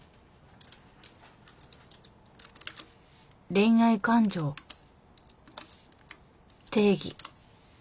恋愛感情定義